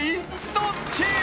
どっち？